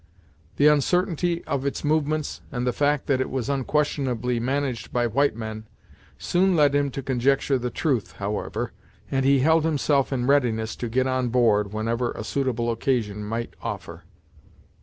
The uncertainty of its movements, and the fact that it was unquestionably managed by white men, soon led him to conjecture the truth, however, and he held himself in readiness to get on board whenever a suitable occasion might offer.